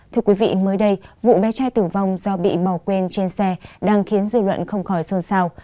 thưa quý vị mới đây vụ bé trai tử vong do bị bỏ quên trên xe đang khiến dư luận không khỏi sơn sao